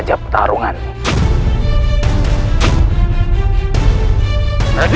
saya ingin membantu